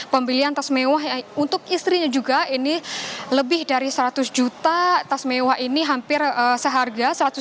pembelian tas mewah untuk istrinya juga ini lebih dari seratus juta tas mewah ini hampir seharga